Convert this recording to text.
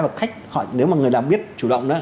và khách nếu mà người làm biết chủ động